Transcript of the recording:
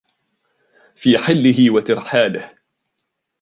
في حله و ترحاله